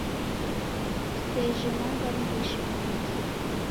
Kusejhe manga mbishi mungi.